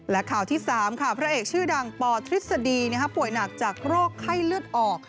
และข่าวที่๓ค่ะพระเอกชื่อดังปทฤษฎีป่วยหนักจากโรคไข้เลือดออก